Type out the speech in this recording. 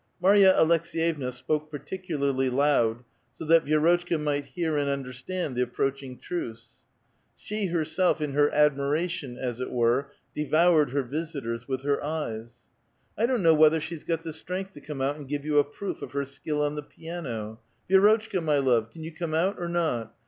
Marya Aleks^yevua spoke particularly loud, so that Vi6 rotchka might hear and understand the approaching truce. She heraelf in her admiration, as it were, devoured her visitors with her ej'cs. " I don't know whether she's got the strength to come out and give you a proof of her skill on the piano. — Vi^rotchka, my love, can you come out or not?